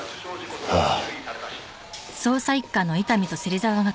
ああ。